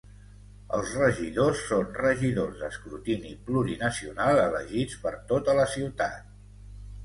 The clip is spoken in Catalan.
Els regidors són regidors d'escrutini plurinacional elegits per tota la ciutat.